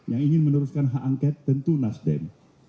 yang ingin meneruskan hak angket tentu nasdem